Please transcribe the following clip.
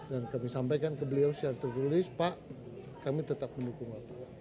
dan kami sampaikan ke beliau secara tertulis pak kami tetap mendukung